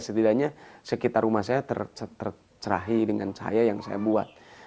setidaknya sekitar rumah saya tercerahi dengan cahaya yang saya buat